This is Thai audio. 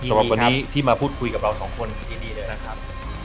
สำหรับวันนี้ที่มาพูดคุยกับเราสองคนที่นี่เลยนะครับ